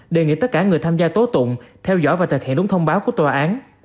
đề nghị tất cả người tham gia tố tụng theo dõi và thực hiện đúng thông báo của tòa án